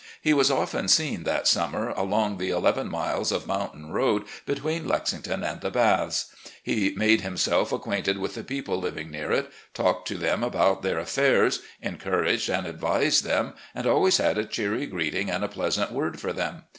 He was often seen that summer along the eleven miles of mountain road between Lexington and the Baths. He made himself acquainted with the people living near it, talked to them about their affairs, encouraged and advised them, and always had a cheery greeting and a FAMILY AFFAIRS 243 pleasant word for them.